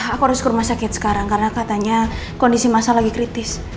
aku harus ke rumah sakit sekarang karena katanya kondisi masa lagi kritis